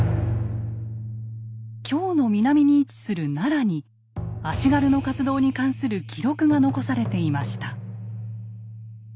京の南に位置する奈良に足軽の活動に関する記録が残されていました。